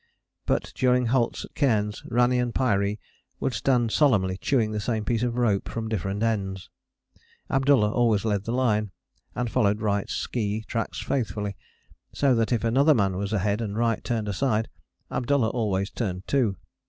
But during halts at cairns Rani and Pyaree would stand solemnly chewing the same piece of rope from different ends. Abdullah always led the line, and followed Wright's ski tracks faithfully, so that if another man was ahead and Wright turned aside Abdullah always turned too.